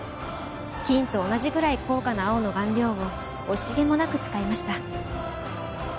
金と同じぐらい高価な青の顔料を惜しげもなく使いました。